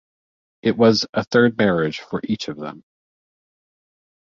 It was a third marriage for each of them.